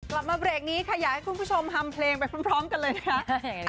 กลับมาเบรกนี้ค่ะอยากให้คุณผู้ชมฮัมเพลงไปพร้อมกันเลยนะคะ